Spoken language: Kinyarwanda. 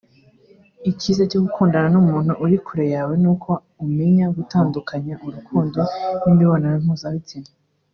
Icyiza cyo gukundana n’umuntu uri kure yawe nuko umenya gutandukanya urukundo n’imibonano mpuzabitsina